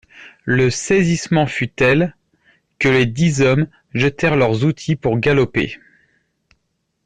Le saisissement fut tel, que les dix hommes jetèrent leurs outils pour galoper.